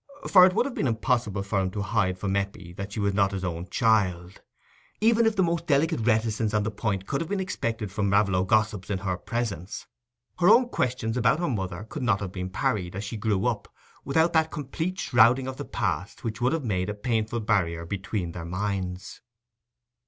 For it would have been impossible for him to hide from Eppie that she was not his own child: even if the most delicate reticence on the point could have been expected from Raveloe gossips in her presence, her own questions about her mother could not have been parried, as she grew up, without that complete shrouding of the past which would have made a painful barrier between their minds.